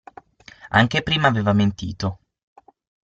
Anche prima aveva mentito.